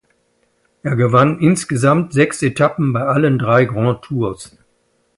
Er gewann insgesamt sechs Etappen bei allen drei Grand Tours.